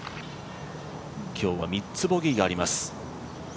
今日は３つボギーがあります